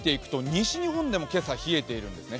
西日本でも結構、冷えてるんですね。